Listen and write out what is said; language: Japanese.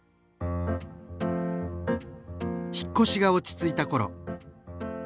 引っ越しが落ち着いた頃。